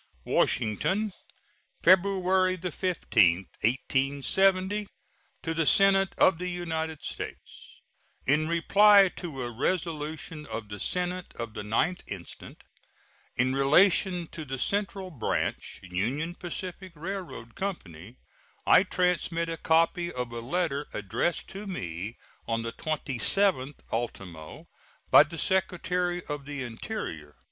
WASHINGTON, February 15, 1870. To the Senate of the United States: In reply to a resolution of the Senate of the 9th instant, in relation to the Central Branch, Union Pacific Railroad Company, I transmit a copy of a letter addressed to me on the 27th ultimo by the Secretary of the Interior.